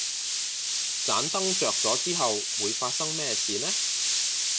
盏燈着咗之後會發生咩事呢